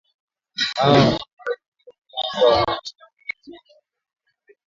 Mara nyingi wanyama huwa hawaoneshi dalili yoyote ya ugonjwa huu Hata hivyo kwa nadra